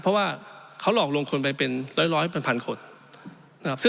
เพราะเค้าหลอกลงคนไปเป็นร้อยมากกว่าพันคน